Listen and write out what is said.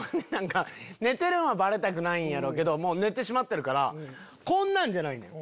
寝てるんバレたくないやろうけど寝てしまってるからこんなんじゃないねん。